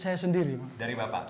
saya sendiri pak